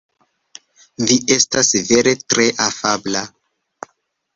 Vi estas vere tre afabla.